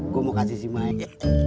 gue mau kasih si make